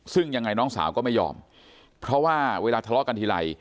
ซึ่งยังไงน้องสาวก็ไม่ยอมเพราะว่าเวลาทะเลาะกันทีไร